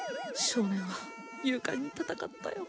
少年は勇敢に戦ったよ